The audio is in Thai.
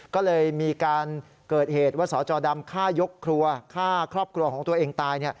ก็เลยมีการเกิดเหตุว่าสจดำฆ่ายกครัวฆ่าครอบครัวของตัวเองตาย